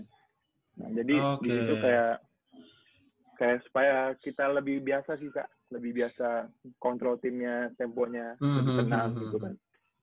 nah jadi disitu kayak supaya kita lebih biasa sih kak lebih biasa kontrol timnya temponya lebih tenang gitu kan